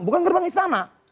bukan gerbang istana